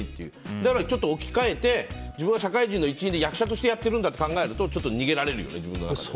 だから置き換えて自分は社会人の一員で役者としてやってるんだって考えると、ちょっと逃げられるよね、自分の中でね。